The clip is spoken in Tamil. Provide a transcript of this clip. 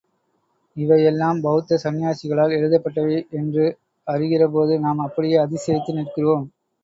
இவை எல்லாம் பௌத்த சந்நியாசிகளால் எழுதப்பட்டவை என்று அறிகிறபோது நாம் அப்படியே அதிசயித்து நிற்கிறோம்.